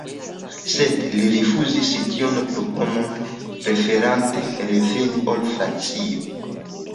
Sed li rifuzis tiun proponon, preferante reveni al Francio.